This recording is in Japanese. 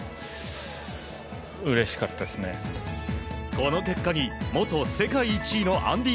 この結果に元世界１位のアンディ